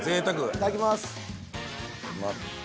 いただきます！